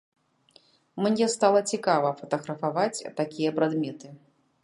Мне стала цікава фатаграфаваць такія прадметы.